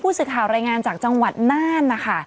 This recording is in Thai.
สื่อข่าวรายงานจากจังหวัดน่านนะคะ